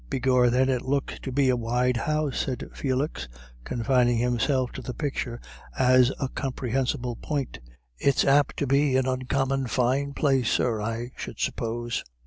"Begor, then, it looks to be a wide house," said Felix, confining himself to the picture as a comprehensible point. "It's apt to be an oncommon fine place, sir, I should suppose."